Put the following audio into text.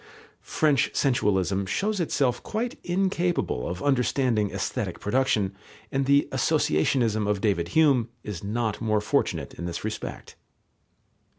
French sensualism shows itself quite incapable of understanding aesthetic production, and the associationism of David Hume is not more fortunate in this respect.